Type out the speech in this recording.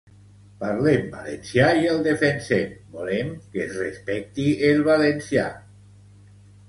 Parlem valencià i el defensem, volem que es respecti el valencià.